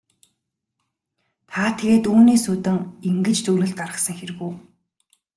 Та тэгээд үүнээс үүдэн ингэж дүгнэлт гаргасан хэрэг үү?